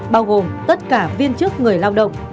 bao gồm tất cả viên chức người lao động